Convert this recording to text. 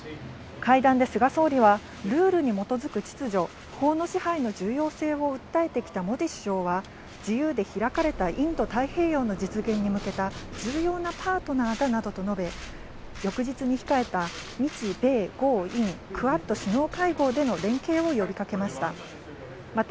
会談で菅総理は、ルールに基づく秩序、法の支配の重要性を訴えてきたモディ首相は自由で開かれたインド太平洋の実現に向けた重要なパートナーだなどと述べ、翌日に控えた、日米豪印クアッド首脳会合での連携を呼びかけました。